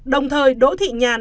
đồng thời đỗ thị nhàn